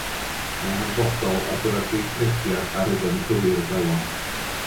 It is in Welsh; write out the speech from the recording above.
Mae'n hanfodol ar gyfer gweithrediad a rhythm cywir y galon.